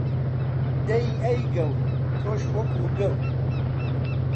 دەی ئەی گڵ، تۆش وەکو گڵ